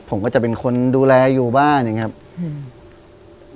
ผมก็จะเป็นคนดูแลอยู่บ้านอย่างเงี้ยอืม